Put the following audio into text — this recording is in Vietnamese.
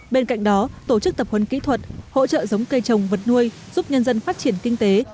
bên cạnh đó tổ chức tập huấn kỹ thuật hỗ trợ giống cây trồng vật nuôi giúp nhân dân phát triển kinh tế